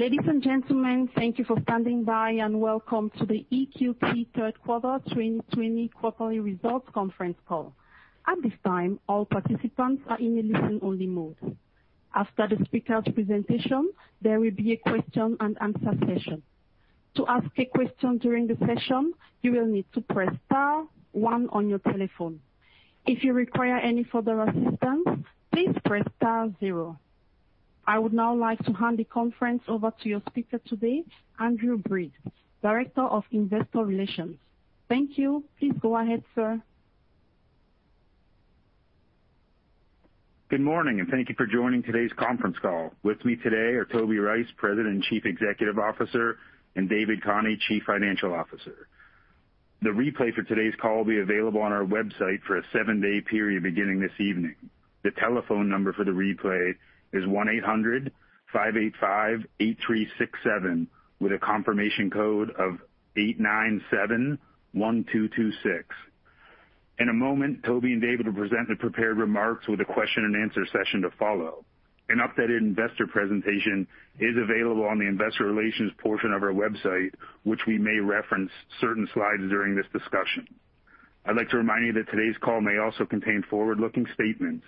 Ladies and gentlemen, thank you for standing by, and welcome to the EQT Third Quarter 2020 Quarterly Results Conference Call. At this time, all participants are in a listen-only mode. After the speakers' presentation, there will be a question and answer session. I would now like to hand the conference over to your speaker today, Andrew Breese, Director of Investor Relations. Thank you. Please go ahead, sir. Good morning, and thank you for joining today's conference call. With me today are Toby Rice, President and Chief Executive Officer, and David Khani, Chief Financial Officer. The replay for today's call will be available on our website for a seven-day period beginning this evening. The telephone number for the replay is 1-800-585-8367 with a confirmation code of 8971226. In a moment, Toby and David will present the prepared remarks with a question and answer session to follow. An updated investor presentation is available on the investor relations portion of our website, which we may reference certain slides during this discussion. I'd like to remind you that today's call may also contain forward-looking statements.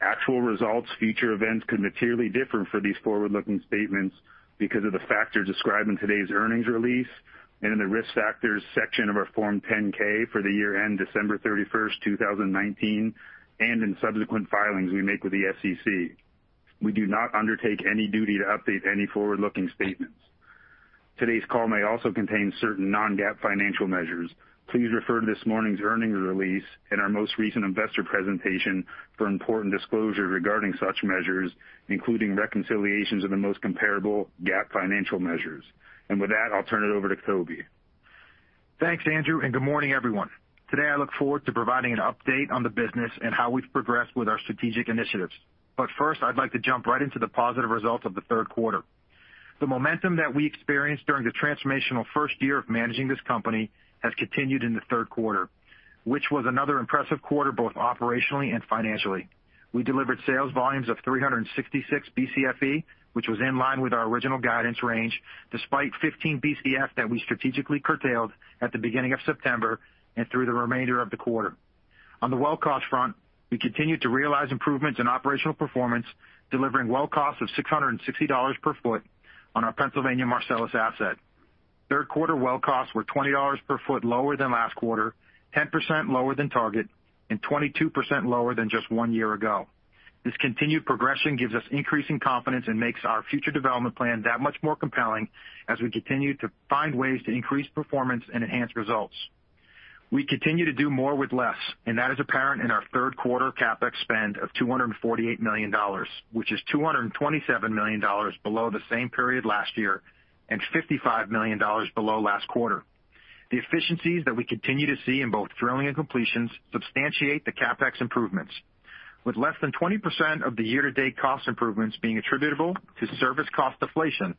Actual results, future events could materially differ for these forward-looking statements because of the factors described in today's earnings release and in the Risk Factors section of our Form 10-K for the year end December 31st, 2019, and in subsequent filings we make with the SEC. We do not undertake any duty to update any forward-looking statements. Today's call may also contain certain non-GAAP financial measures. Please refer to this morning's earnings release and our most recent investor presentation for important disclosure regarding such measures, including reconciliations of the most comparable GAAP financial measures. With that, I'll turn it over to Toby. Thanks, Andrew, and good morning, everyone. Today, I look forward to providing an update on the business and how we've progressed with our strategic initiatives. First, I'd like to jump right into the positive results of the third quarter. The momentum that we experienced during the transformational first year of managing this company has continued in the third quarter, which was another impressive quarter both operationally and financially. We delivered sales volumes of 366 Bcfe, which was in line with our original guidance range, despite 15 Bcf that we strategically curtailed at the beginning of September and through the remainder of the quarter. On the well cost front, we continued to realize improvements in operational performance, delivering well cost of $660/ft on our Pennsylvania Marcellus asset. Third quarter well costs were $20/ft lower than last quarter, 10% lower than target, and 22% lower than just one year ago. This continued progression gives us increasing confidence and makes our future development plan that much more compelling as we continue to find ways to increase performance and enhance results. We continue to do more with less, and that is apparent in our third quarter CapEx spend of $248 million, which is $227 million below the same period last year and $55 million below last quarter. The efficiencies that we continue to see in both drilling and completions substantiate the CapEx improvements. With less than 20% of the year-to-date cost improvements being attributable to service cost deflation,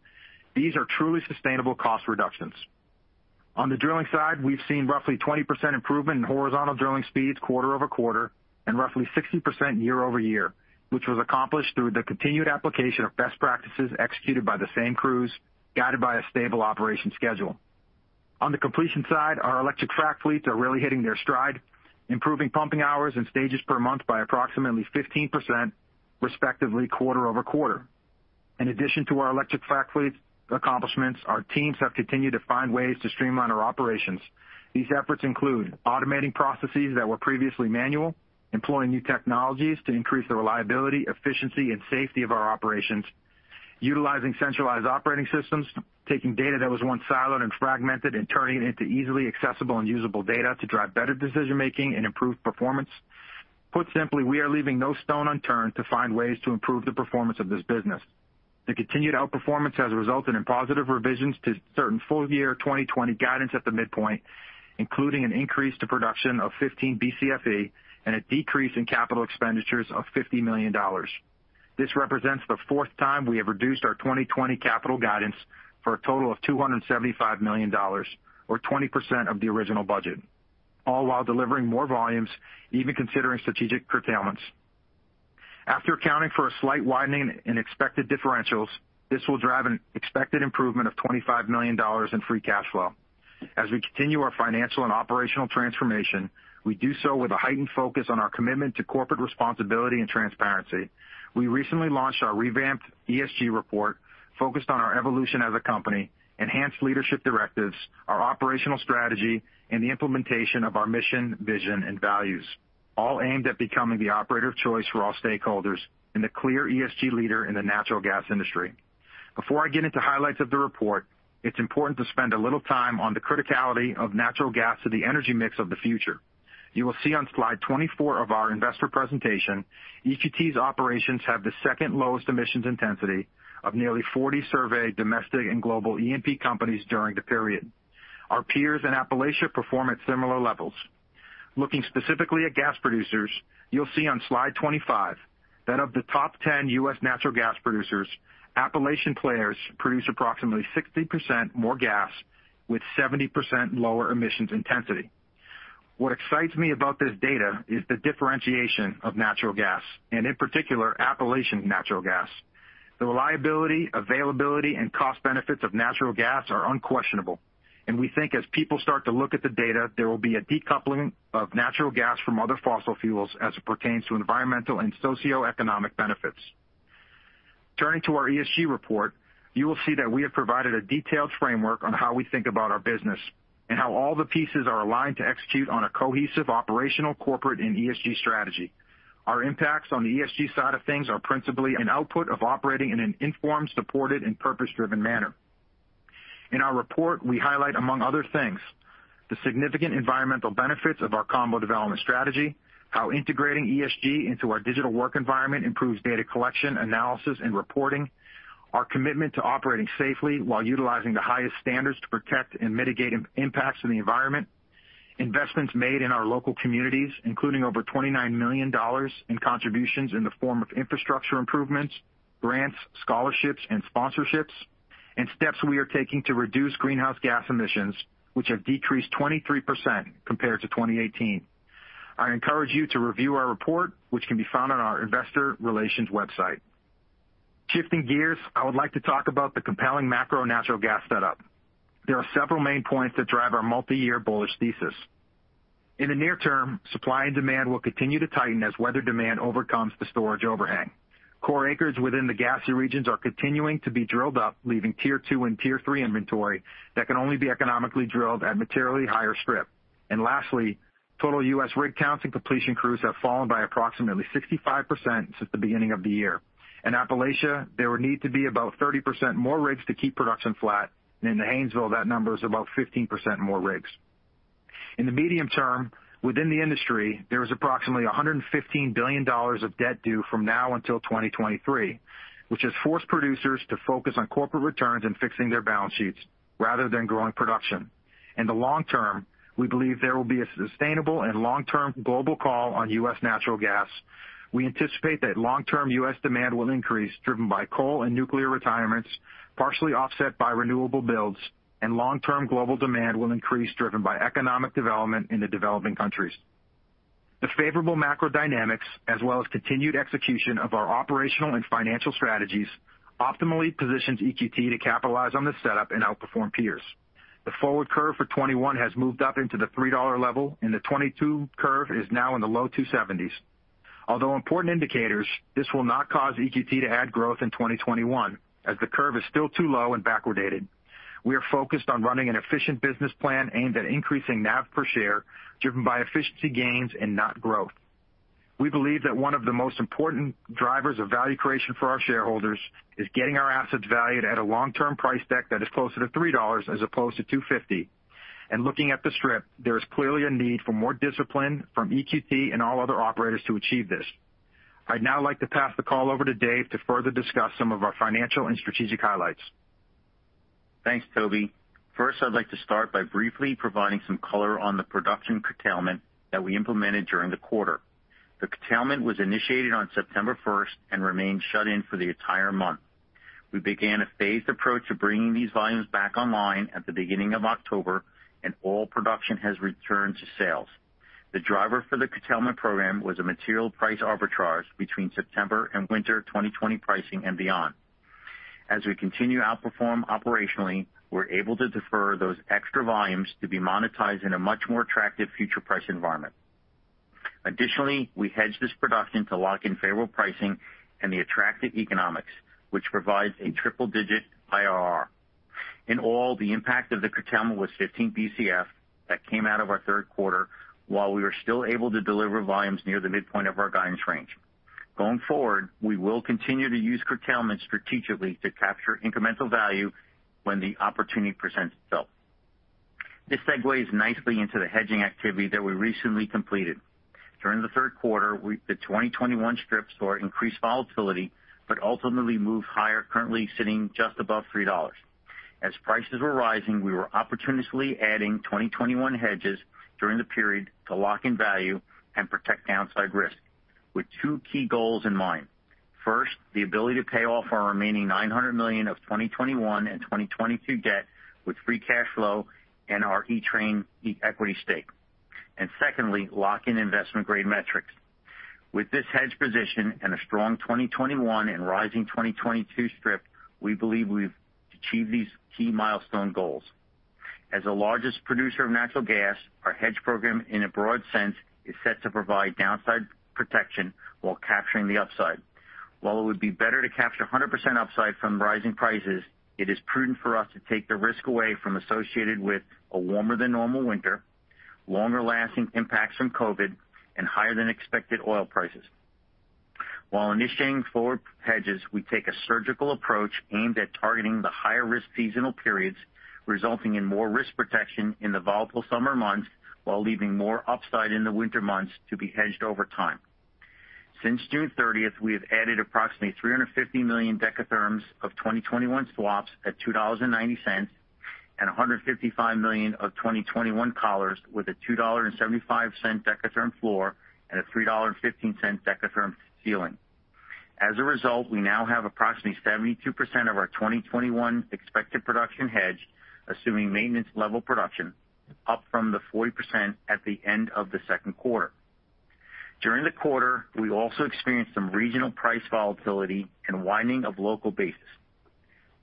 these are truly sustainable cost reductions. On the drilling side, we've seen roughly 20% improvement in horizontal drilling speeds quarter-over-quarter and roughly 60% year-over-year, which was accomplished through the continued application of best practices executed by the same crews, guided by a stable operation schedule. On the completion side, our electric frac fleets are really hitting their stride, improving pumping hours and stages per month by approximately 15%, respectively, quarter-over-quarter. In addition to our electric frac fleets accomplishments, our teams have continued to find ways to streamline our operations. These efforts include automating processes that were previously manual, employing new technologies to increase the reliability, efficiency, and safety of our operations, utilizing centralized operating systems, taking data that was once siloed and fragmented and turning it into easily accessible and usable data to drive better decision-making and improved performance. Put simply, we are leaving no stone unturned to find ways to improve the performance of this business. The continued outperformance has resulted in positive revisions to certain full year 2020 guidance at the midpoint, including an increase to production of 15 Bcfe and a decrease in capital expenditures of $50 million. This represents the fourth time we have reduced our 2020 capital guidance for a total of $275 million, or 20% of the original budget, all while delivering more volumes, even considering strategic curtailments. After accounting for a slight widening in expected differentials, this will drive an expected improvement of $25 million in free cash flow. As we continue our financial and operational transformation, we do so with a heightened focus on our commitment to corporate responsibility and transparency. We recently launched our revamped ESG report focused on our evolution as a company, enhanced leadership directives, our operational strategy, and the implementation of our mission, vision, and values, all aimed at becoming the operator of choice for all stakeholders and the clear ESG leader in the natural gas industry. Before I get into highlights of the report, it's important to spend a little time on the criticality of natural gas to the energy mix of the future. You will see on slide 24 of our investor presentation, EQT's operations have the second lowest emissions intensity of nearly 40 surveyed domestic and global E&P companies during the period. Our peers in Appalachia perform at similar levels. Looking specifically at gas producers, you'll see on slide 25 that of the top 10 U.S. natural gas producers, Appalachian players produce approximately 60% more gas with 70% lower emissions intensity. What excites me about this data is the differentiation of natural gas, and in particular, Appalachian natural gas. The reliability, availability, and cost benefits of natural gas are unquestionable. We think as people start to look at the data, there will be a decoupling of natural gas from other fossil fuels as it pertains to environmental and socioeconomic benefits. Turning to our ESG report, you will see that we have provided a detailed framework on how we think about our business and how all the pieces are aligned to execute on a cohesive operational, corporate, and ESG strategy. Our impacts on the ESG side of things are principally an output of operating in an informed, supported, and purpose-driven manner. In our report, we highlight, among other things, the significant environmental benefits of our combo development strategy, how integrating ESG into our digital work environment improves data collection, analysis, and reporting, our commitment to operating safely while utilizing the highest standards to protect and mitigate impacts to the environment, investments made in our local communities, including over $29 million in contributions in the form of infrastructure improvements, grants, scholarships, and sponsorships, and steps we are taking to reduce greenhouse gas emissions, which have decreased 23% compared to 2018. I encourage you to review our report, which can be found on our investor relations website. Shifting gears, I would like to talk about the compelling macro natural gas setup. There are several main points that drive our multi-year bullish thesis. In the near term, supply and demand will continue to tighten as weather demand overcomes the storage overhang. Core acres within the gassy regions are continuing to be drilled up, leaving tier 2 and tier 3 inventory that can only be economically drilled at materially higher strip. And lastly, total U.S. rig counts and completion crews have fallen by approximately 65% since the beginning of the year. In Appalachia, there would need to be about 30% more rigs to keep production flat. In the Haynesville, that number is about 15% more rigs. In the medium term, within the industry, there is approximately $115 billion of debt due from now until 2023, which has forced producers to focus on corporate returns and fixing their balance sheets rather than growing production. In the long term, we believe there will be a sustainable and long-term global call on U.S. natural gas. We anticipate that long-term U.S. demand will increase, driven by coal and nuclear retirements, partially offset by renewable builds, and long-term global demand will increase, driven by economic development in the developing countries. The favorable macro dynamics, as well as continued execution of our operational and financial strategies, optimally positions EQT to capitalize on this setup and outperform peers. The forward curve for 2021 has moved up into the $3 level, and the 2022 curve is now in the low $2.70s. Although important indicators, this will not cause EQT to add growth in 2021, as the curve is still too low and backwardated. We are focused on running an efficient business plan aimed at increasing NAV per share, driven by efficiency gains and not growth. We believe that one of the most important drivers of value creation for our shareholders is getting our assets valued at a long-term price deck that is closer to $3 as opposed to $2.50. Looking at the strip, there is clearly a need for more discipline from EQT and all other operators to achieve this. I'd now like to pass the call over to David to further discuss some of our financial and strategic highlights. Thanks, Toby. First, I'd like to start by briefly providing some color on the production curtailment that we implemented during the quarter. The curtailment was initiated on September 1st and remained shut in for the entire month. We began a phased approach of bringing these volumes back online at the beginning of October, and all production has returned to sales. The driver for the curtailment program was a material price arbitrage between September and winter 2020 pricing and beyond. As we continue to outperform operationally, we're able to defer those extra volumes to be monetized in a much more attractive future price environment. Additionally, we hedged this production to lock in favorable pricing and the attractive economics, which provides a triple-digit IRR. In all, the impact of the curtailment was 15 Bcf that came out of our third quarter, while we were still able to deliver volumes near the midpoint of our guidance range. Going forward, we will continue to use curtailment strategically to capture incremental value when the opportunity presents itself. This segues nicely into the hedging activity that we recently completed. During the third quarter, the 2021 strips saw increased volatility, but ultimately moved higher, currently sitting just above $3. As prices were rising, we were opportunistically adding 2021 hedges during the period to lock in value and protect downside risk with two key goals in mind. First, the ability to pay off our remaining $900 million of 2021 and 2022 debt with free cash flow and our Equitrans equity stake. Secondly, lock in investment-grade metrics. With this hedge position and a strong 2021 and rising 2022 strip, we believe we've achieved these key milestone goals. As the largest producer of natural gas, our hedge program, in a broad sense, is set to provide downside protection while capturing the upside. While it would be better to capture 100% upside from rising prices, it is prudent for us to take the risk away from associated with a warmer-than-normal winter, longer-lasting impacts from COVID, and higher-than-expected oil prices. While initiating forward hedges, we take a surgical approach aimed at targeting the higher-risk seasonal periods, resulting in more risk protection in the volatile summer months, while leaving more upside in the winter months to be hedged over time. Since June 30th, we have added approximately 350 million dekatherms of 2021 swaps at $2.90 and 155 million of 2021 collars with a $2.75 dekatherm floor and a $3.15 dekatherm ceiling. We now have approximately 72% of our 2021 expected production hedged, assuming maintenance level production, up from the 40% at the end of the second quarter. During the quarter, we also experienced some regional price volatility and widening of local basis.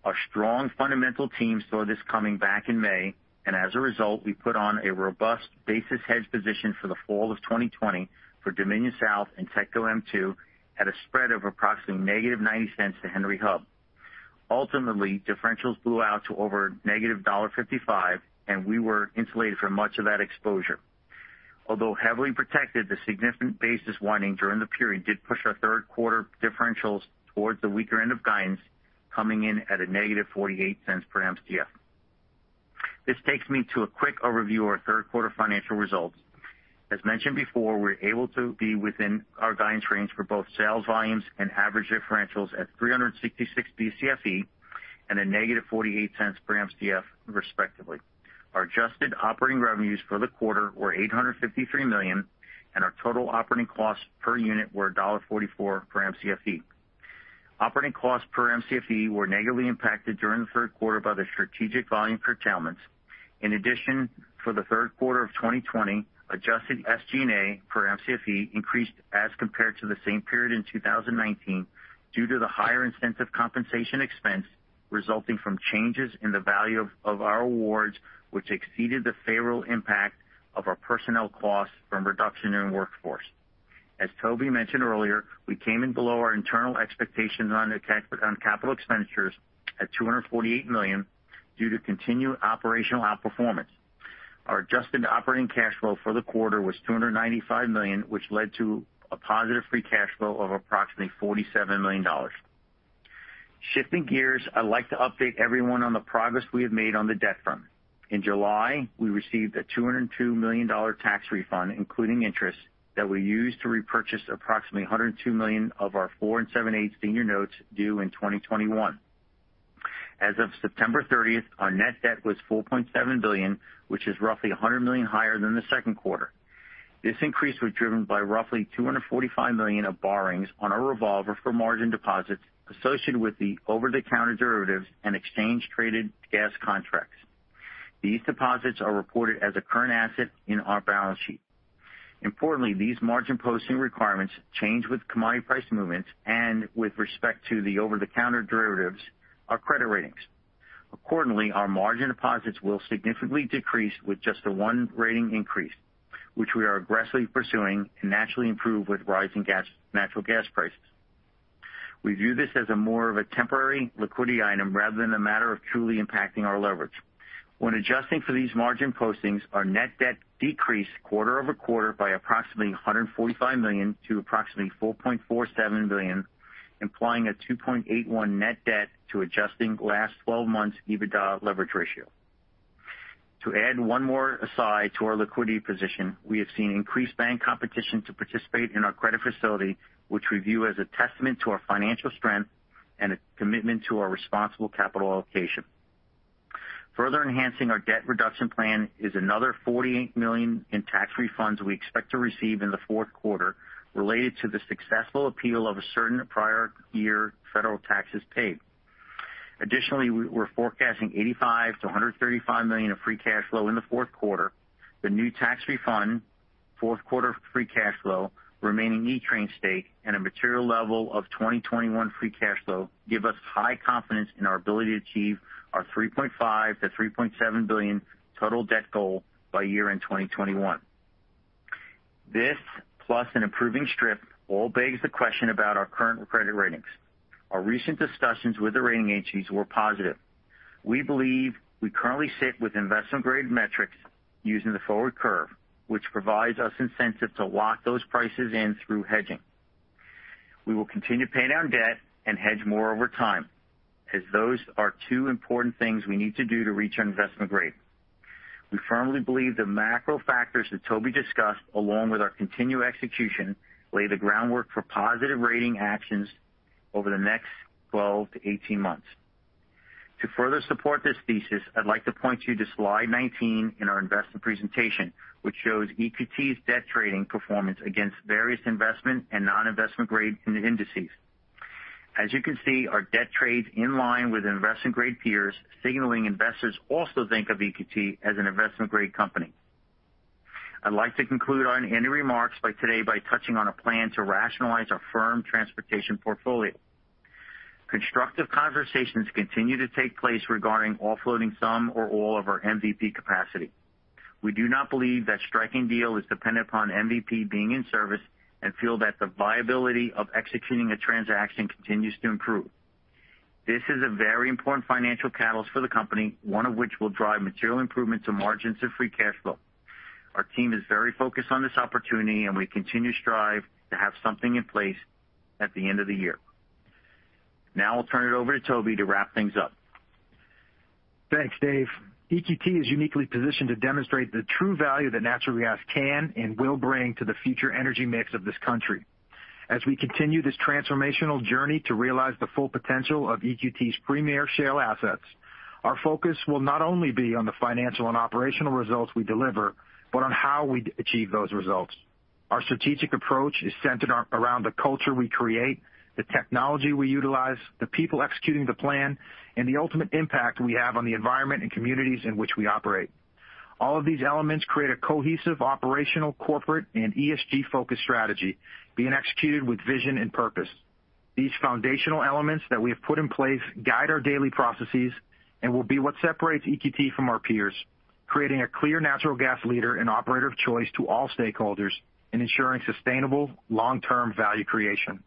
Our strong fundamental team saw this coming back in May, and as a result, we put on a robust basis hedge position for the fall of 2020 for Dominion South and TETCO M-2 at a spread of approximately negative $0.90 to Henry Hub. Differentials blew out to over -$1.55 and we were insulated from much of that exposure. Although heavily protected, the significant basis widening during the period did push our third quarter differentials towards the weaker end of guidance, coming in at a -$0.48/Mcf. This takes me to a quick overview of our third quarter financial results. As mentioned before, we're able to be within our guidance range for both sales volumes and average differentials at 366 Bcfe and a -$0.48/Mcf respectively. Our adjusted operating revenues for the quarter were $853 million, and our total operating costs per unit were $1.44/Mcfe. Operating costs per Mcfe were negatively impacted during the third quarter by the strategic volume curtailments. In addition, for the third quarter of 2020, adjusted SG&A per Mcfe increased as compared to the same period in 2019 due to the higher incentive compensation expense resulting from changes in the value of our awards, which exceeded the favorable impact of our personnel costs from reduction in workforce. As Toby mentioned earlier, we came in below our internal expectations on capital expenditures at $248 million due to continued operational outperformance. Our adjusted operating cash flow for the quarter was $295 million, which led to a positive free cash flow of approximately $47 million. Shifting gears, I'd like to update everyone on the progress we have made on the debt front. In July, we received a $202 million tax refund, including interest, that we used to repurchase approximately $102 million of our 47/8% senior notes due in 2021. As of September 30th, our net debt was $4.7 billion, which is roughly $100 million higher than the second quarter. This increase was driven by roughly $245 million of borrowings on our revolver for margin deposits associated with the over-the-counter derivatives and exchange traded gas contracts. These deposits are reported as a current asset in our balance sheet. Importantly, these margin posting requirements change with commodity price movements and, with respect to the over-the-counter derivatives, our credit ratings. Accordingly, our margin deposits will significantly decrease with just one rating increase, which we are aggressively pursuing and naturally improve with rising natural gas prices. We view this as more of a temporary liquidity item rather than a matter of truly impacting our leverage. When adjusting for these margin postings, our net debt decreased quarter-over-quarter by approximately $145 million to approximately $4.47 billion, implying a 2.81 net debt to adjusting last 12 months EBITDA leverage ratio. To add one more aside to our liquidity position, we have seen increased bank competition to participate in our credit facility, which we view as a testament to our financial strength and a commitment to our responsible capital allocation. Further enhancing our debt reduction plan is another $48 million in tax refunds we expect to receive in the fourth quarter related to the successful appeal of certain prior year federal taxes paid. Additionally, we're forecasting $85 million-$135 million of free cash flow in the fourth quarter. The new tax refund, fourth quarter free cash flow, remaining Equitrans stake, and a material level of 2021 free cash flow give us high confidence in our ability to achieve our $3.5 billion-$3.7 billion total debt goal by year-end 2021. This, plus an improving strip, all begs the question about our current credit ratings. Our recent discussions with the rating agencies were positive. We believe we currently sit with investment-grade metrics using the forward curve, which provides us incentive to lock those prices in through hedging. We will continue to pay down debt and hedge more over time, as those are two important things we need to do to reach our investment-grade. We firmly believe the macro factors that Toby discussed, along with our continued execution, lay the groundwork for positive rating actions over the next 12 to 18 months. To further support this thesis, I'd like to point you to slide 19 in our investor presentation, which shows EQT's debt trading performance against various investment and non-investment grade indices. As you can see, our debt trades in line with investment-grade peers, signaling investors also think of EQT as an investment-grade company. I'd like to conclude on any remarks by today by touching on a plan to rationalize our firm transportation portfolio. Constructive conversations continue to take place regarding offloading some or all of our MVP capacity. We do not believe that striking a deal is dependent upon MVP being in service and feel that the viability of executing a transaction continues to improve. This is a very important financial catalyst for the company, one of which will drive material improvements to margins and free cash flow. Our team is very focused on this opportunity, and we continue to strive to have something in place at the end of the year. Now I'll turn it over to Toby to wrap things up. Thanks, David. EQT is uniquely positioned to demonstrate the true value that natural gas can and will bring to the future energy mix of this country. As we continue this transformational journey to realize the full potential of EQT's premier shale assets, our focus will not only be on the financial and operational results we deliver, but on how we achieve those results. Our strategic approach is centered around the culture we create, the technology we utilize, the people executing the plan, and the ultimate impact we have on the environment and communities in which we operate. All of these elements create a cohesive operational, corporate, and ESG-focused strategy being executed with vision and purpose. These foundational elements that we have put in place guide our daily processes and will be what separates EQT from our peers, creating a clear natural gas leader and operator of choice to all stakeholders in ensuring sustainable long-term value creation.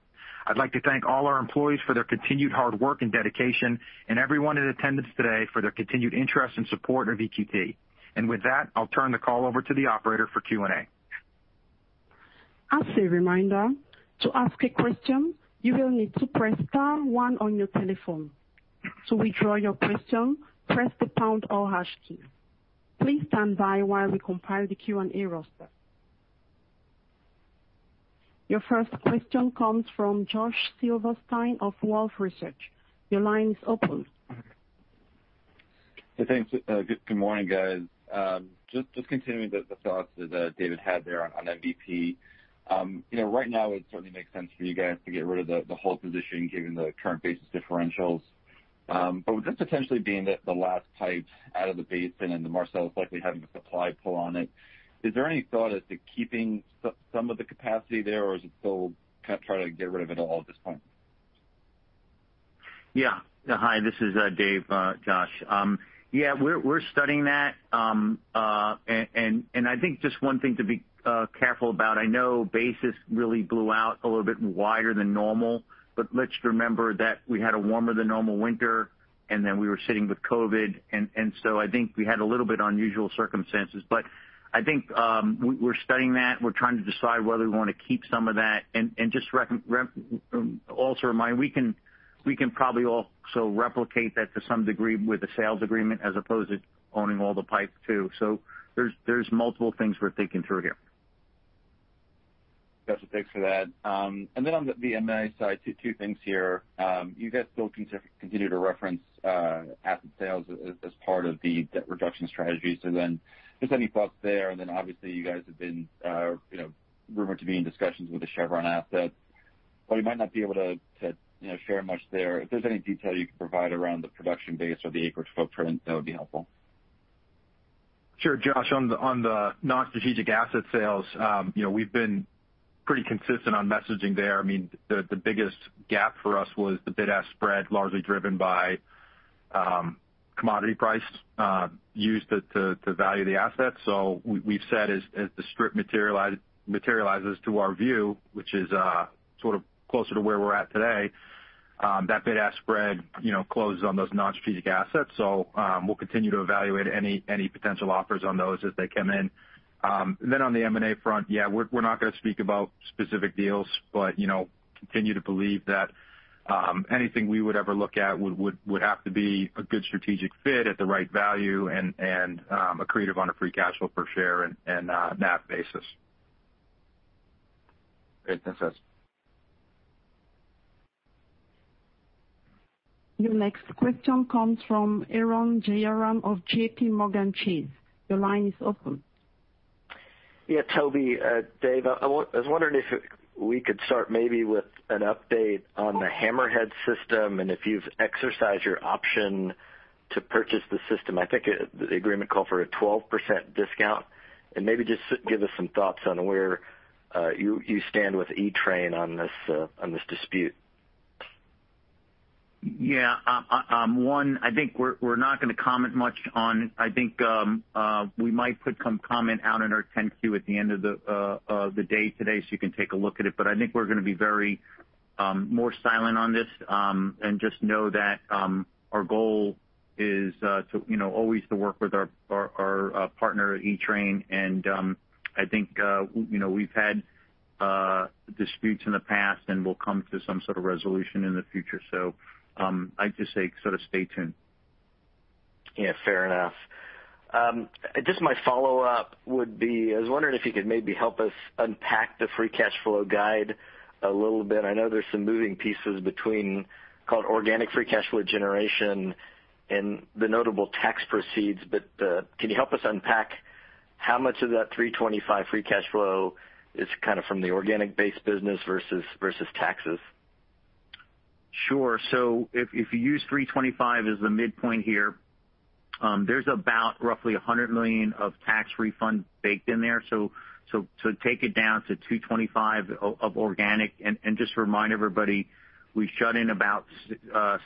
I'd like to thank all our employees for their continued hard work and dedication, and everyone in attendance today for their continued interest and support of EQT. With that, I'll turn the call over to the operator for Q&A. As a reminder, to ask a question, you will need to press star one on your telephone. To withdraw your question, press the pound or hash key. Please stand by while we compile the Q&A roster. Your first question comes from Josh Silverstein of Wolfe Research. Your line is open. Thanks. Good morning, guys. Just continuing the thoughts that David had there on MVP. Right now it certainly makes sense for you guys to get rid of the whole position given the current basis differentials. With this potentially being the last pipe out of the basin and the Marcellus likely having a supply pull on it, is there any thought as to keeping some of the capacity there or is it still trying to get rid of it all at this point? Yeah. Hi, this is David, Josh. I think just one thing to be careful about, I know basis really blew out a little bit wider than normal, let's remember that we had a warmer than normal winter, then we were sitting with COVID, I think we had a little bit unusual circumstances. I think we're studying that. We're trying to decide whether we want to keep some of that just also remind, we can probably also replicate that to some degree with a sales agreement as opposed to owning all the pipe too. There's multiple things we're thinking through here. Got you. Thanks for that. On the M&A side, two things here. You guys still continue to reference asset sales as part of the debt reduction strategy. Just any thoughts there, and then obviously you guys have been rumored to be in discussions with the Chevron assets. While you might not be able to share much there, if there's any detail you can provide around the production base or the acreage footprint, that would be helpful. Sure, Josh. On the non-strategic asset sales, we've been pretty consistent on messaging there. The biggest gap for us was the bid-ask spread, largely driven by commodity price used to value the asset. We've said as the strip materializes to our view, which is sort of closer to where we're at today, that bid-ask spread closes on those non-strategic assets. We'll continue to evaluate any potential offers on those as they come in. On the M&A front, yeah, we're not going to speak about specific deals, but continue to believe that anything we would ever look at would have to be a good strategic fit at the right value and accretive on a free cash flow per share and on that basis. Great. Thanks, guys. Your next question comes from Arun Jayaram of JPMorgan. Your line is open. Yeah. Toby, David, I was wondering if we could start maybe with an update on the Hammerhead system and if you've exercised your option to purchase the system. I think the agreement called for a 12% discount, and maybe just give us some thoughts on where you stand with Equitrans on this dispute. One, I think we might put some comment out in our 10-Q at the end of the day today, so you can take a look at it. I think we're going to be more silent on this, and just know that our goal is always to work with our partner at Equitrans. I think we've had disputes in the past and we'll come to some sort of resolution in the future. I'd just say stay tuned. Yeah. Fair enough. Just my follow-up would be, I was wondering if you could maybe help us unpack the free cash flow guide a little bit. I know there's some moving pieces between called organic free cash flow generation and the notable tax proceeds, can you help us unpack how much of that $325 million free cash flow is from the organic base business versus taxes? Sure. If you use $325 million as the midpoint here, there's about roughly $100 million of tax refund baked in there. Take it down to $225 million of organic, and just remind everybody, we shut in about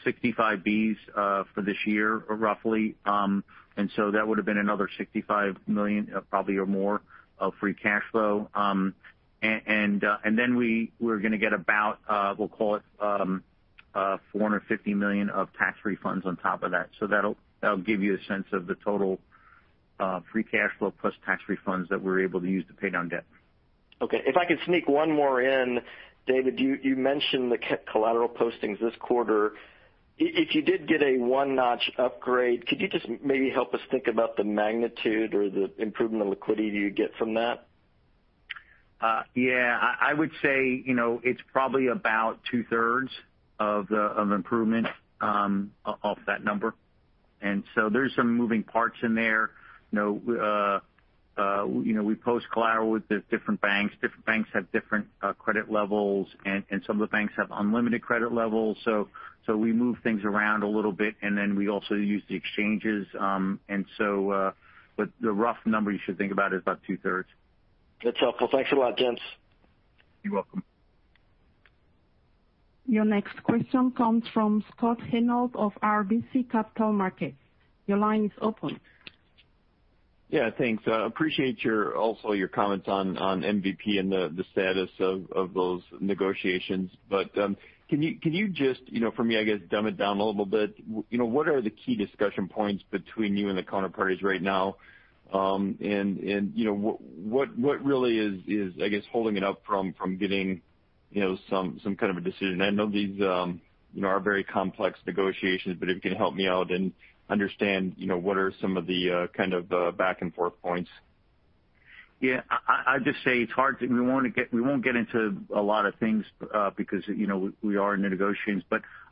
65 Bcf for this year, roughly. That would have been another $65 million probably or more of free cash flow. We're going to get about, we'll call it, $450 million of tax refunds on top of that. That'll give you a sense of the total free cash flow plus tax refunds that we're able to use to pay down debt. Okay. If I could sneak one more in. David, you mentioned the collateral postings this quarter. If you did get a one-notch upgrade, could you just maybe help us think about the magnitude or the improvement in liquidity you'd get from that? Yeah. I would say it's probably about two-thirds of improvement off that number. There's some moving parts in there. We post-collateral with the different banks. Different banks have different credit levels, and some of the banks have unlimited credit levels. We move things around a little bit, and then we also use the exchanges. The rough number you should think about is about two-thirds. That's helpful. Thanks a lot, gents. You're welcome. Your next question comes from Scott Hanold of RBC Capital Markets. Your line is open. Yeah, thanks. I appreciate also your comments on MVP and the status of those negotiations. Can you just, for me, I guess, dumb it down a little bit? What are the key discussion points between you and the counterparties right now? What really is, I guess, holding it up from getting some kind of a decision? I know these are very complex negotiations, but if you can help me out and understand what are some of the kind of back-and-forth points. Yeah. I'll just say. We won't get into a lot of things because we are in the negotiations.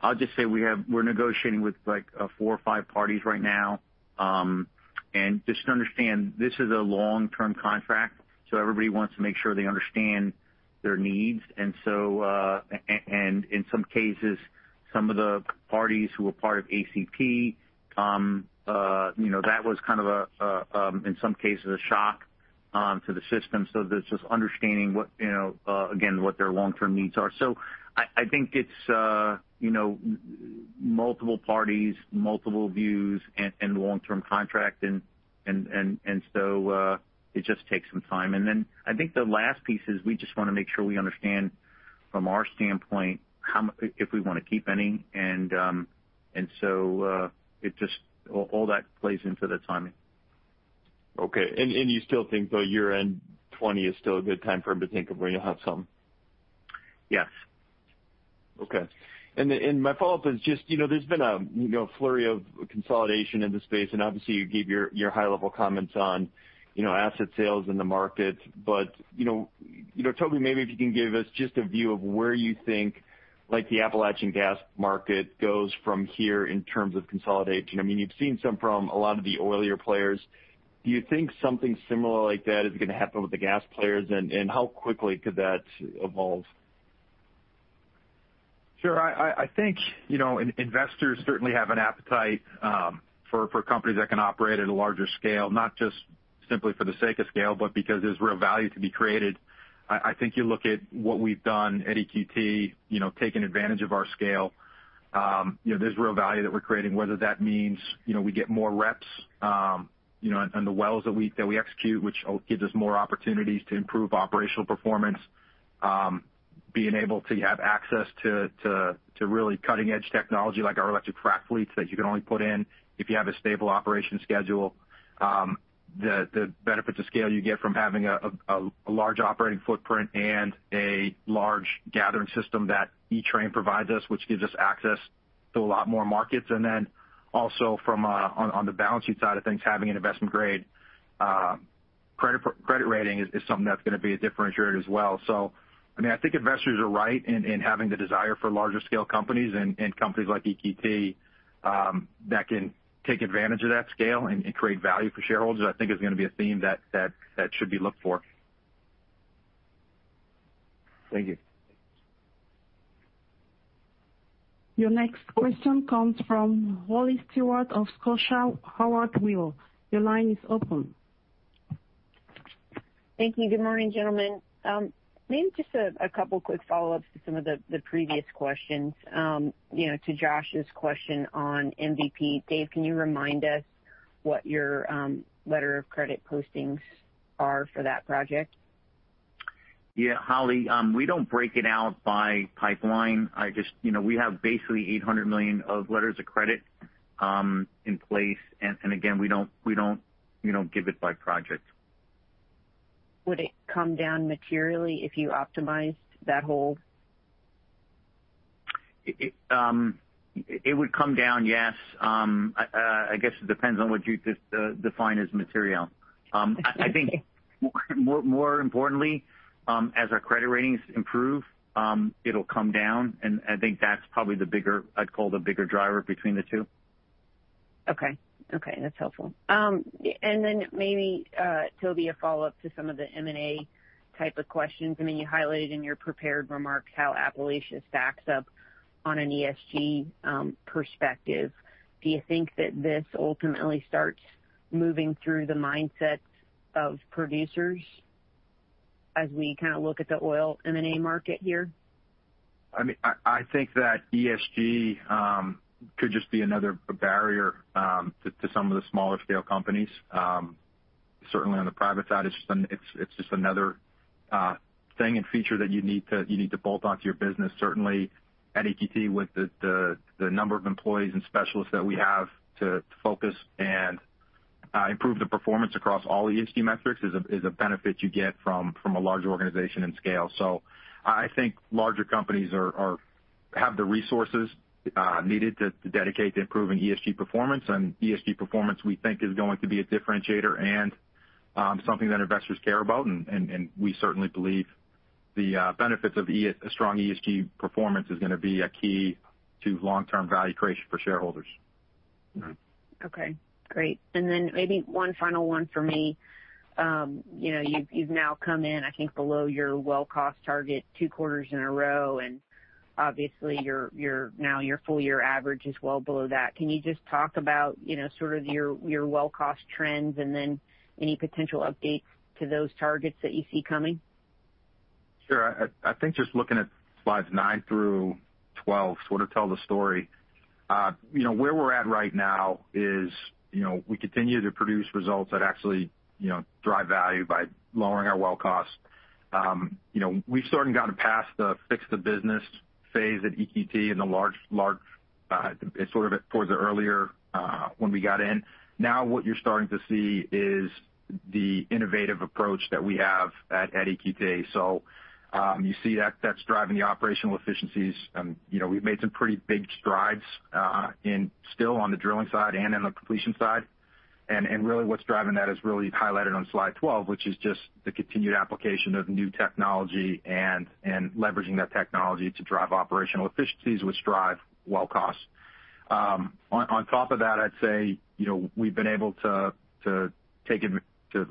I'll just say we're negotiating with four or five parties right now. Just to understand, this is a long-term contract, so everybody wants to make sure they understand their needs. In some cases, some of the parties who are part of ACP, that was kind of, in some cases, a shock to the system. It's just understanding, again, what their long-term needs are. I think it's multiple parties, multiple views, and long-term contract, and so it just takes some time. Then I think the last piece is we just want to make sure we understand from our standpoint if we want to keep any. All that plays into the timing. Okay. You still think, though, year-end 2020 is still a good time for him to think of where you'll have some? Yes. Okay. My follow-up is just there's been a flurry of consolidation in the space, and obviously you gave your high-level comments on asset sales in the markets. Toby, maybe if you can give us just a view of where you think the Appalachian gas market goes from here in terms of consolidation. You've seen some from a lot of the oilier players. Do you think something similar like that is going to happen with the gas players, and how quickly could that evolve? Sure. I think investors certainly have an appetite for companies that can operate at a larger scale, not just simply for the sake of scale, but because there's real value to be created. I think you look at what we've done at EQT, taking advantage of our scale. There's real value that we're creating, whether that means we get more reps on the wells that we execute, which gives us more opportunities to improve operational performance. Being able to have access to really cutting-edge technology like our electric frac fleets that you can only put in if you have a stable operation schedule. The benefits of scale you get from having a large operating footprint and a large gathering system that Equitrans provides us, which gives us access to a lot more markets. Then also from-- on the balance sheet side of things, having an investment-grade credit rating is something that's going to be a differentiator as well. I think investors are right in having the desire for larger scale companies and companies like EQT that can take advantage of that scale and create value for shareholders. I think is going to be a theme that should be looked for. Thank you. Your next question comes from Holly Stewart of Scotiabank. Your line is open. Thank you. Good morning, gentlemen. Maybe just a couple quick follow-ups to some of the previous questions. To Josh's question on MVP, David, can you remind us what your letter of credit postings are for that project? Yeah. Holly, we don't break it out by pipeline. We have basically $800 million of letters of credit in place. Again, we don't give it by project. Would it come down materially if you optimized that hold? It would come down, yes. I guess it depends on what you define as material. Okay. I think more importantly, as our credit ratings improve it'll come down, and I think that's probably the bigger, I'd call the bigger driver between the two. Okay. That's helpful. Maybe, Toby, a follow-up to some of the M&A type of questions. You highlighted in your prepared remarks how Appalachia stacks up on an ESG perspective. Do you think that this ultimately starts moving through the mindset of producers as we kind of look at the oil M&A market here? I think that ESG could just be another barrier to some of the smaller scale companies. Certainly on the private side, it's just another thing and feature that you need to bolt onto your business. Certainly at EQT with the number of employees and specialists that we have to focus and improve the performance across all ESG metrics is a benefit you get from a large organization and scale. I think larger companies have the resources needed to dedicate to improving ESG performance. ESG performance, we think, is going to be a differentiator and something that investors care about. We certainly believe the benefits of a strong ESG performance is going to be a key to long-term value creation for shareholders. Okay, great. Maybe one final one for me. You've now come in, I think, below your well cost target two quarters in a row, and obviously, now your full year average is well below that. Can you just talk about sort of your well cost trends and then any potential updates to those targets that you see coming? Sure. I think just looking at slides nine through 12 sort of tell the story. Where we're at right now is, we continue to produce results that actually drive value by lowering our well costs. We've sort of gotten past the fix the business phase at EQT. What you're starting to see is the innovative approach that we have at EQT. You see that's driving the operational efficiencies. We've made some pretty big strides still on the drilling side and in the completion side, and really what's driving that is really highlighted on slide 12, which is just the continued application of new technology and leveraging that technology to drive operational efficiencies, which drive well costs. On top of that, I'd say, we've been able to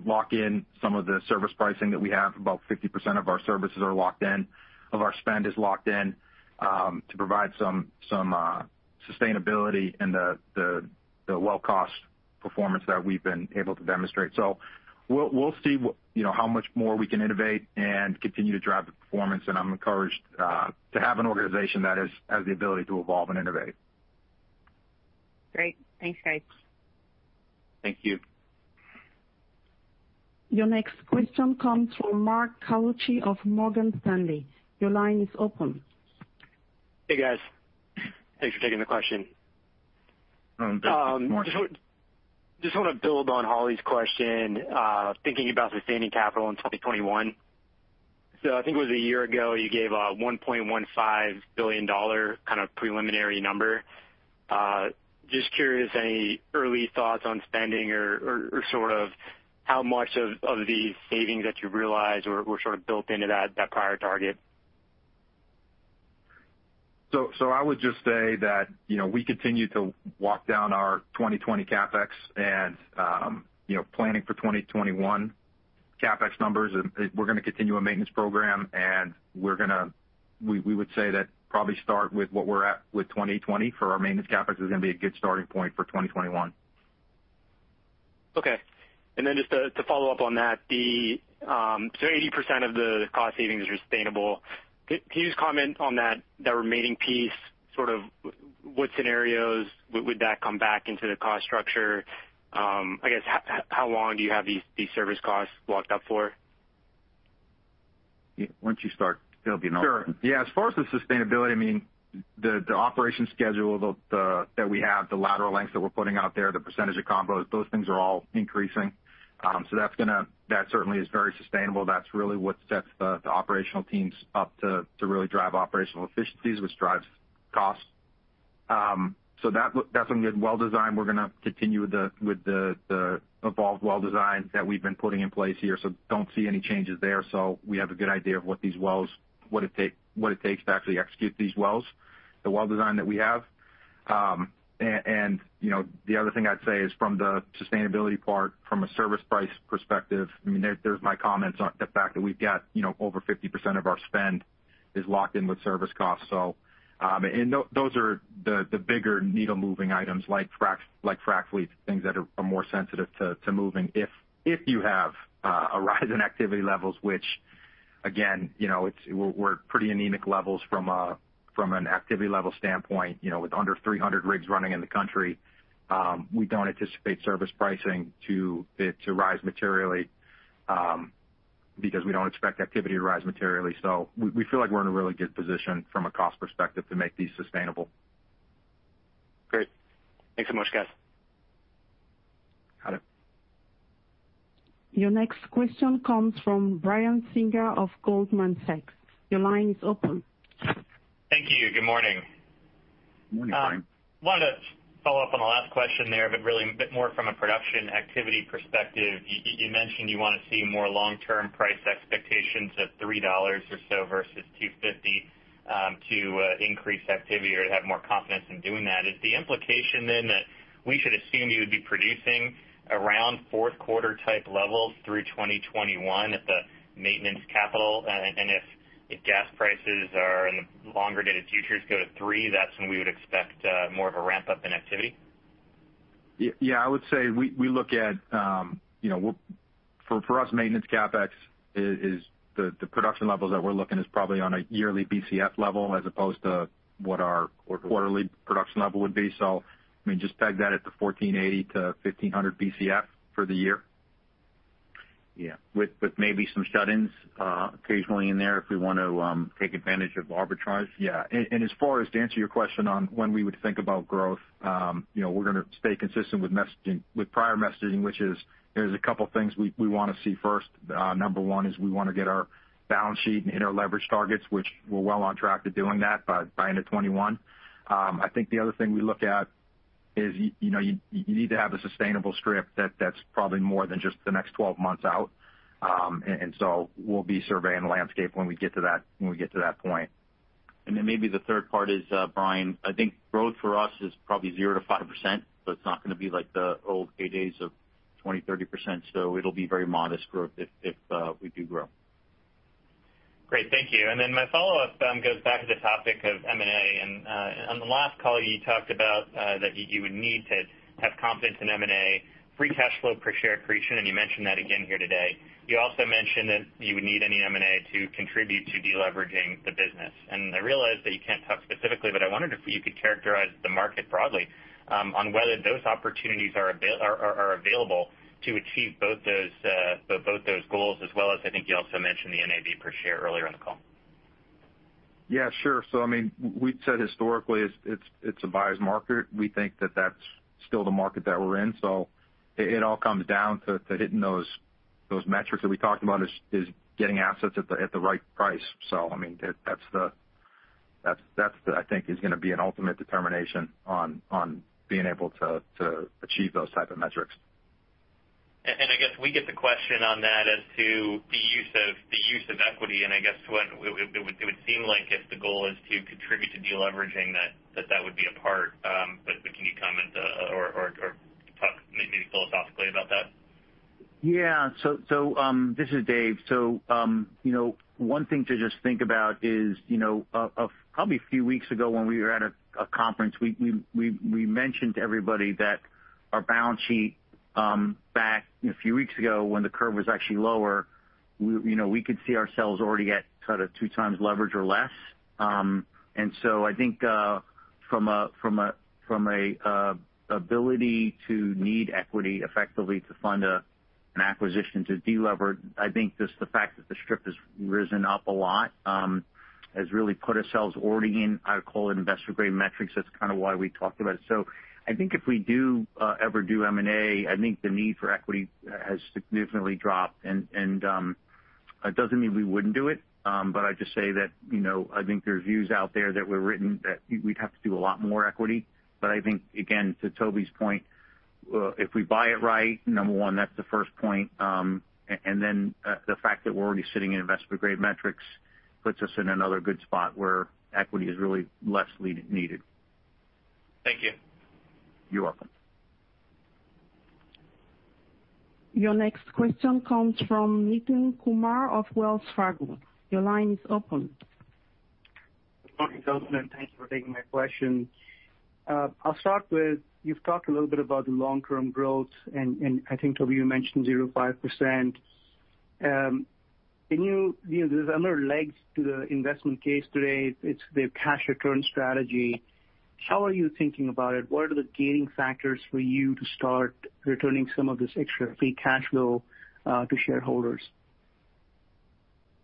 lock in some of the service pricing that we have. About 50% of our services are locked in, of our spend is locked in, to provide some sustainability in the well cost performance that we've been able to demonstrate. We'll see how much more we can innovate and continue to drive the performance. I'm encouraged to have an organization that has the ability to evolve and innovate. Great. Thanks, guys. Thank you. Your next question comes from Mark Carlucci of Morgan Stanley. Your line is open. Hey, guys. Thanks for taking the question. Good morning. Just want to build on Holly's question. Thinking about sustaining capital in 2021. I think it was a year ago, you gave a $1.15 billion kind of preliminary number. Just curious, any early thoughts on spending or sort of how much of the savings that you realized were sort of built into that prior target? I would just say that we continue to walk down our 2020 CapEx and planning for 2021 CapEx numbers. We're going to continue a maintenance program, and we would say that probably start with what we're at with 2020 for our maintenance CapEx is going to be a good starting point for 2021. Okay. Just to follow up on that, 80% of the cost savings are sustainable. Can you just comment on that remaining piece, sort of what scenarios would that come back into the cost structure? I guess, how long do you have these service costs locked up for? Why don't you start, Phil? Sure. As far as the sustainability, I mean, the operation schedule that we have, the lateral lengths that we're putting out there, the percentage of combos, those things are all increasing. That certainly is very sustainable. That's really what sets the operational teams up to really drive operational efficiencies, which drives costs. That's on good well design. We're going to continue with the evolved well designs that we've been putting in place here, so don't see any changes there. We have a good idea of what it takes to actually execute these wells, the well design that we have. The other thing I'd say is from the sustainability part, from a service price perspective, I mean, there's my comments on the fact that we've got over 50% of our spend is locked in with service costs. Those are the bigger needle-moving items like frac fleets, things that are more sensitive to moving. If you have a rise in activity levels, which again, we're at pretty anemic levels from an activity level standpoint, with under 300 rigs running in the country. We don't anticipate service pricing to rise materially, because we don't expect activity to rise materially. We feel like we're in a really good position from a cost perspective to make these sustainable. Great. Thanks so much, guys. Got it. Your next question comes from Brian Singer of Goldman Sachs. Your line is open. Thank you. Good morning. Morning, Brian. Wanted to follow up on the last question there, really a bit more from a production activity perspective. You mentioned you want to see more long-term price expectations of $3 or so versus $2.50 to increase activity or to have more confidence in doing that. Is the implication that we should assume you would be producing around fourth quarter type levels through 2021 at the maintenance capital? If gas prices are in the longer-dated futures go to $3, that's when we would expect more of a ramp-up in activity? I would say for us, maintenance CapEx is the production levels that we're looking is probably on a yearly Bcf level as opposed to what our quarterly production level would be. I mean, just peg that at the 1,480-1,500 Bcf for the year. With maybe some shut-ins occasionally in there if we want to take advantage of arbitrage. Yeah. As far as to answer your question on when we would think about growth, we're going to stay consistent with prior messaging, which is there's a couple things we want to see first. Number one is we want to get our balance sheet and hit our leverage targets, which we're well on track to doing that by end of 2021. I think the other thing we look at is you need to have a sustainable strip that's probably more than just the next 12 months out. We'll be surveying the landscape when we get to that point. Maybe the third part is, Brian, I think growth for us is probably 0%-5%. It's not going to be like the old heydays of 20%-30%. It'll be very modest growth if we do grow. Great, thank you. Then my follow-up goes back to the topic of M&A. On the last call you talked about that you would need to have confidence in M&A, free cash flow per share creation, and you mentioned that again here today. You also mentioned that you would need any M&A to contribute to deleveraging the business. I realize that you can't talk specifically, but I wondered if you could characterize the market broadly on whether those opportunities are available to achieve both those goals as well as, I think you also mentioned the NAV per share earlier in the call. Yeah, sure. We'd said historically it's a buyer's market. We think that that's still the market that we're in. It all comes down to hitting those metrics that we talked about, is getting assets at the right price. That I think is going to be an ultimate determination on being able to achieve those type of metrics. I guess we get the question on that as to the use of equity, and I guess it would seem like if the goal is to contribute to deleveraging that that would be a part. Can you comment or talk maybe philosophically about that? This is Dave. One thing to just think about is, probably a few weeks ago when we were at a conference, we mentioned to everybody that our balance sheet back a few weeks ago when the curve was actually lower, we could see ourselves already at sort of two times leverage or less. I think from a ability to need equity effectively to fund an acquisition to delever, I think just the fact that the strip has risen up a lot has really put ourselves already in, I would call it, investment-grade metrics. That's kind of why we talked about it. I think if we do ever do M&A, I think the need for equity has significantly dropped. It doesn't mean we wouldn't do it. I'd just say that, I think there's views out there that were written that we'd have to do a lot more equity. I think, again, to Toby's point, if we buy it right, number one, that's the first point. The fact that we're already sitting in investment-grade metrics puts us in another good spot where equity is really less needed. Thank you. You're welcome. Your next question comes from Nitin Kumar of Wells Fargo. Your line is open. Morning, gentlemen. Thanks for taking my question. I'll start with, you've talked a little bit about the long-term growth, and I think, Toby, you mentioned 0%-5%. There's another leg to the investment case today. It's the cash return strategy. How are you thinking about it? What are the gating factors for you to start returning some of this extra free cash flow to shareholders?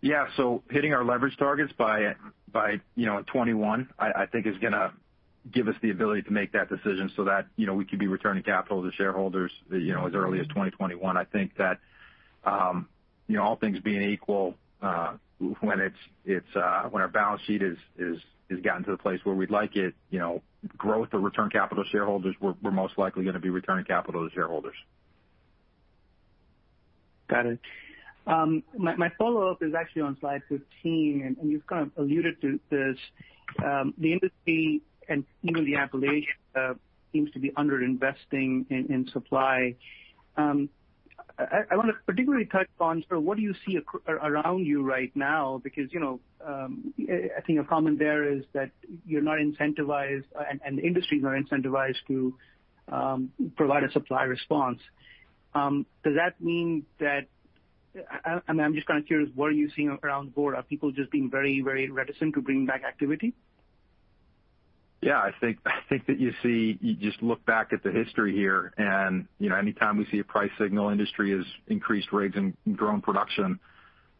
Yeah. Hitting our leverage targets by 2021, I think is going to give us the ability to make that decision so that we could be returning capital to shareholders as early as 2021. I think that all things being equal, when our balance sheet has gotten to the place where we'd like it, growth or return capital to shareholders, we're most likely going to be returning capital to shareholders. Got it. My follow-up is actually on slide 15, and you've kind of alluded to this. The industry and even the Appalachian seems to be under-investing in supply. I want to particularly touch on sort of what do you see around you right now? I think a common there is that you're not incentivized, and the industries are incentivized to provide a supply response. Does that mean that? I'm just kind of curious, what are you seeing around the board? Are people just being very reticent to bring back activity? Yeah, I think that you see, you just look back at the history here and anytime we see a price signal industry has increased rates and grown production.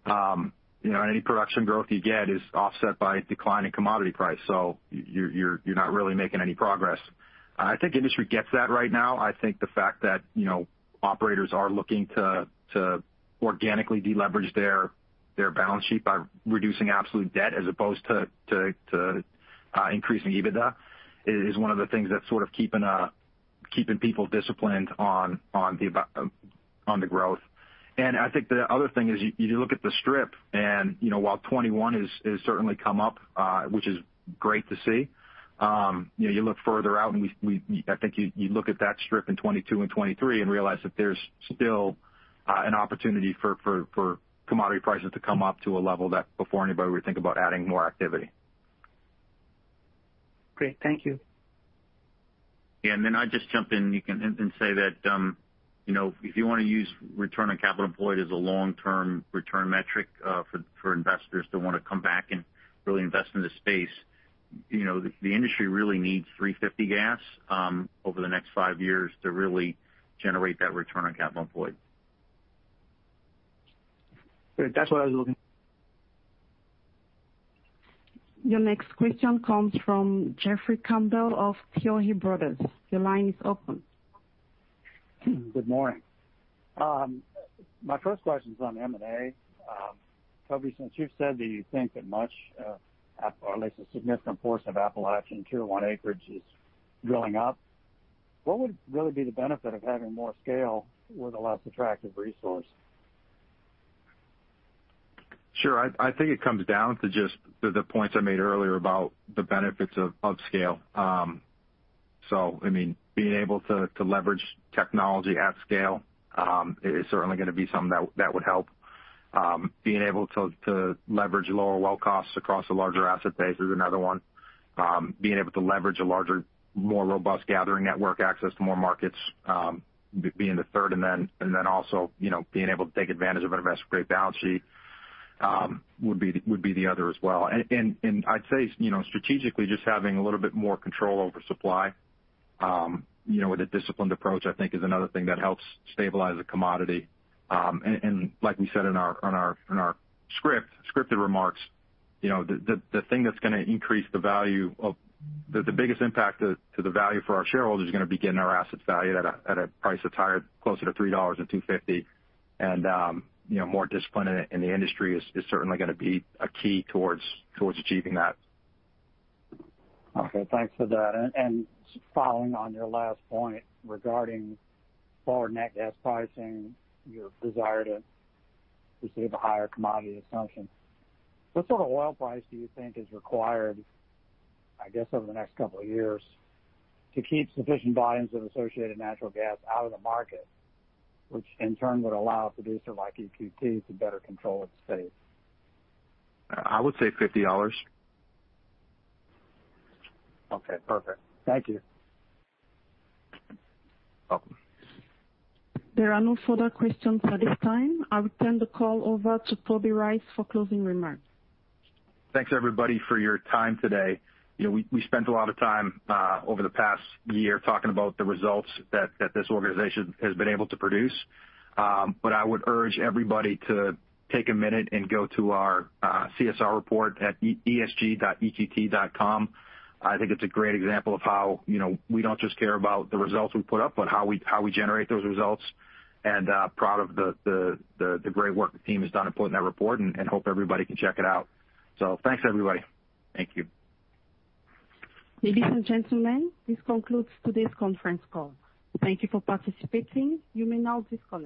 Any production growth you get is offset by a decline in commodity price. You're not really making any progress. I think industry gets that right now. I think the fact that operators are looking to organically deleverage their balance sheet by reducing absolute debt as opposed to increasing EBITDA is one of the things that's sort of keeping people disciplined on the growth. I think the other thing is you look at the strip and while 2021 has certainly come up, which is great to see. You look further out, and I think you look at that strip in 2022 and 2023 and realize that there's still an opportunity for commodity prices to come up to a level that before anybody would think about adding more activity. Great. Thank you. Yeah, I'd just jump in and say that if you want to use return on capital employed as a long-term return metric for investors to want to come back and really invest in the space. The industry really needs $3.50 gas over the next five years to really generate that return on capital employed. Great. That's what I was looking. Your next question comes from Jeffrey Campbell of Tuohy Brothers. Your line is open. Good morning. My first question's on M&A. Toby, since you've said that you think that much, or at least a significant portion of Appalachian tier 1 acreage is drilling up, what would really be the benefit of having more scale with a less attractive resource? Sure. I think it comes down to just the points I made earlier about the benefits of upscale. Being able to leverage technology at scale is certainly going to be something that would help. Being able to leverage lower well costs across a larger asset base is another one. Being able to leverage a larger, more robust gathering network, access to more markets, being the third. Being able to take advantage of an investment-grade balance sheet would be the other as well. I'd say, strategically, just having a little bit more control over supply with a disciplined approach, I think is another thing that helps stabilize the commodity. Like we said in our scripted remarks, the biggest impact to the value for our shareholders is going to be getting our assets valued at a price that's higher, closer to $3 than $2.50. More discipline in the industry is certainly going to be a key towards achieving that. Okay. Thanks for that. Following on your last point regarding lower net gas pricing, your desire to receive a higher commodity assumption, what sort of oil price do you think is required, I guess, over the next couple of years to keep sufficient volumes of associated natural gas out of the market, which in turn would allow a producer like EQT to better control its fate? I would say $50. Okay, perfect. Thank you. Welcome. There are no further questions at this time. I return the call over to Toby Rice for closing remarks. Thanks everybody for your time today. We spent a lot of time over the past year talking about the results that this organization has been able to produce. I would urge everybody to take a minute and go to our CSR report at esg.eqt.com. I think it's a great example of how we don't just care about the results we put up, but how we generate those results, and proud of the great work the team has done in putting that report, and hope everybody can check it out. Thanks, everybody. Thank you. Ladies and gentlemen, this concludes today's conference call. Thank you for participating. You may now disconnect.